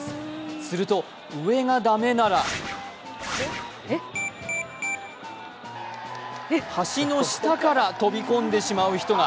すると、上が駄目なら橋の下から飛び込んでしまう人が。